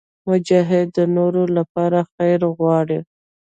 مجاهد د نورو لپاره خیر غواړي.